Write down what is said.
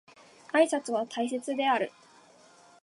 挨拶は大切である